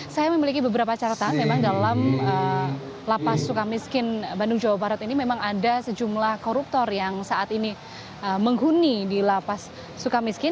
saya memiliki beberapa catatan memang dalam lapas suka miskin bandung jawa barat ini memang ada sejumlah koruptor yang saat ini menghuni di lapas suka miskin